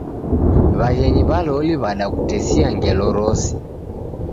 W'aghenyi w'a loli w'adakutesia ngelo rose.